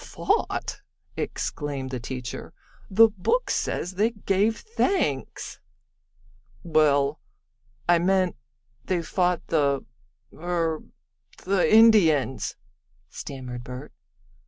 "Fought!" exclaimed the teacher. "The book says they gave thanks." "Well, I meant they fought the er the Indians," stammered Bert.